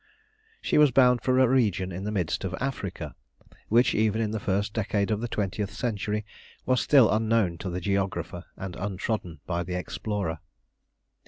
She was bound for a region in the midst of Africa, which, even in the first decade of the twentieth century, was still unknown to the geographer and untrodden by the explorer.